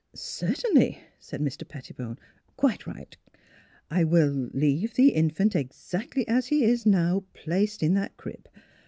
" Certainly," said Mr. Pettibone. " Quite right. I will er leave the infant exactly as he is now placed in that crib.